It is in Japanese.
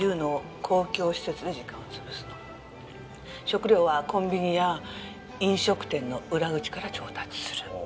食料はコンビニや飲食店の裏口から調達する。